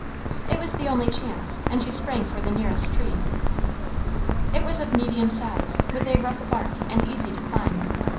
It was the only chance, and she sprang for the nearest tree. It was of medium size, with a rough bark and easy to climb.